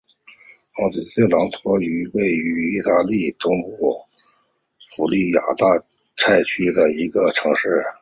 奥特朗托是位于义大利东南部普利亚大区莱切省的一个城市。